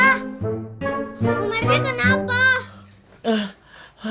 pak rete kenapa